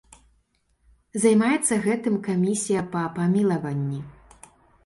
Займаецца гэтым камісія па памілаванні.